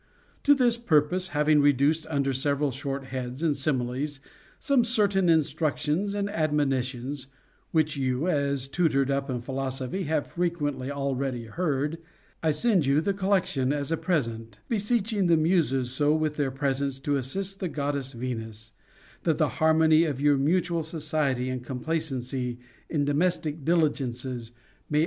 To this purpose, having reduced under several short heads and similes some certain instruc tions and admonitions which you, as tutored up in philoso phy, have frequently already heard, I send you the collection as a present, beseeching the Muses so with their presence to assist the Goddess Venus, that the harmony of your mutual society and complacency in domestic diligences may CONJUGAL PRECEPTS.